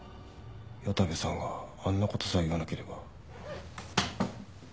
矢田部さんがあんな事さえ言わなければ。